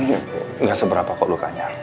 ini gak seberapa kok lukanya